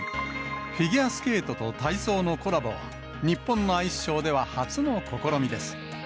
フィギュアスケートと体操のコラボは、日本のアイスショーでは初の試みです。